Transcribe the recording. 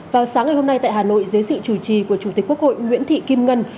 vào sáng ngày hôm nay tại hà nội dưới sự chủ trì của chủ tịch quốc hội nguyễn thị kim ngân